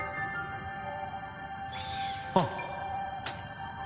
あっ！